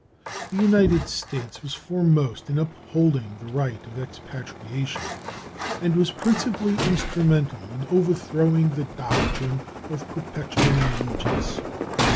The United States was foremost in upholding the right of expatriation, and was principally instrumental in overthrowing the doctrine of perpetual allegiance.